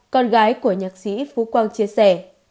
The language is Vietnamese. con gái của nhạc sĩ phú quang chia sẻ